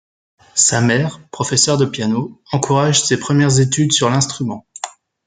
Sa mère, professeur de piano, encourage ses premières études sur l'instrument.